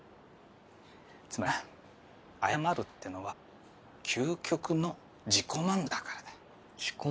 つまりな謝るってのは究極の自己満足だからだ。